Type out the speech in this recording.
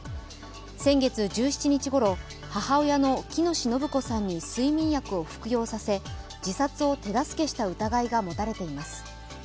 先月１７日ごろ、母親の喜熨斗延子さんに睡眠薬を服用させ自殺を手助けした疑いが持たれています。